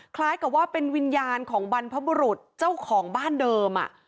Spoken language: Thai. คล้ายกับว่าเป็นวิญญาณของบรรพบุรุษเจ้าของบ้านเดิม